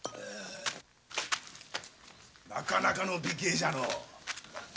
なかなかの美形じゃの。